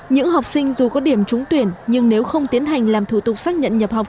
những học sinh dù có điểm trúng tuyển nhưng nếu không tiến hành làm thủ tục xác nhận nhập học